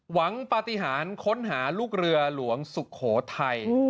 ปฏิหารค้นหาลูกเรือหลวงสุโขทัย